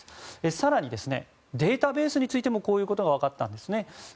更に、データベースについてもこういうことが分かったんです。